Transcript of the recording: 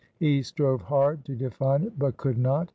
He strove hard to define it, but could not.